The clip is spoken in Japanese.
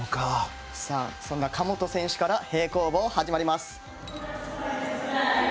そんな神本選手から平行棒、始まります。